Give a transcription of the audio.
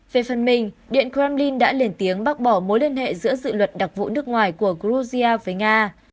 về phần mình điện kremlin đã lên tiếng bác bỏ mối liên hệ giữa dự luật đặc vụ nước ngoài của georgia với nga